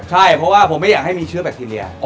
ใช่เพราะว่าผมไม่อยากให้มีเชื้อแบคทีเรีย